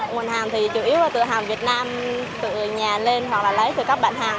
nguồn hàng thì chủ yếu là từ hàng việt nam tự nhà lên hoặc là lấy từ các bạn hàng